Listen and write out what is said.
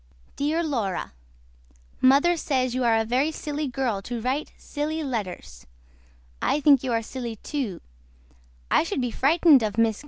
DEAR LAURA MOTHER SAYS YOU ARE A VERY SILY GIRL TO RITE SUCH SILY LETTERS I THINK YOU ARE SILY TO I SHOOD BE FRITENED OF MRS.